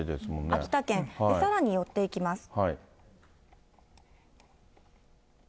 秋田県、さらに寄っていきます。